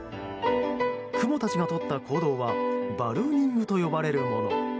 クモたちがとった行動はバルーニングと呼ばれるもの。